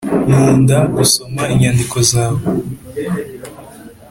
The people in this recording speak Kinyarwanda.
nkunda gusoma inyandiko zawe